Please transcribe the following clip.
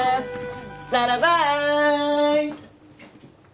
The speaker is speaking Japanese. サラバーイ！